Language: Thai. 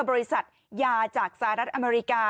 บริษัทยาจากสหรัฐอเมริกา